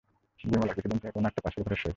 বিমলা কিছুদিন থেকে কোনো-একটা পাশের ঘরে শোয়।